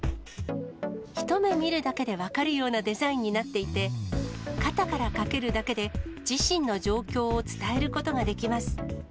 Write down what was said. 一目見るだけで分かるようなデザインになっていて、肩からかけるだけで、自身の状況を伝えることができます。